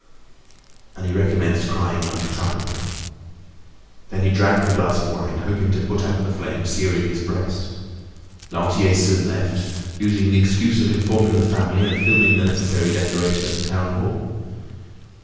And he recommenced crying like a child. Then he drank the glass of wine, hoping to put out the flame searing his breast. Lantier soon left, using the excuse of informing the family and filing the necessary declaration at the town hall.